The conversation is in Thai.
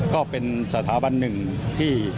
ก็เป็นสถาบันหนึ่งที่